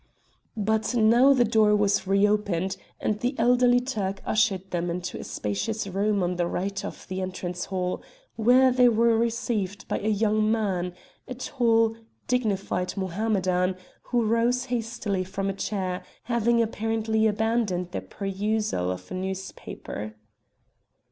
But now the door was reopened, and the elderly Turk ushered them into a spacious room on the right of the entrance hall, where they were received by a young man a tall, dignified Mohammedan, who rose hastily from a chair, having apparently abandoned the perusal of a newspaper.